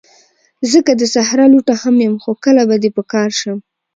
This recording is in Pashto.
زه که د صحرا لوټه هم یم، خو کله به دي په کار شم